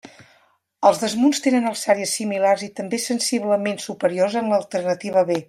Els desmunts tenen alçàries similars i també sensiblement superiors en l'alternativa B.